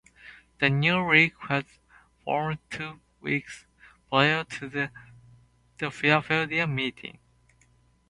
The new league was formed two weeks prior to the Philadelphia meeting.